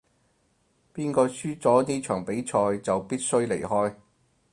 邊個輸咗呢場比賽就必須離開